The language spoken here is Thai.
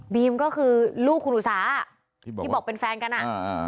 ก็คือลูกคุณอุสาที่บอกเป็นแฟนกันอ่ะอ่า